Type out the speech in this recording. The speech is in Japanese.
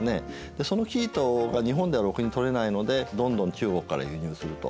でその生糸が日本ではろくにとれないのでどんどん中国から輸入すると。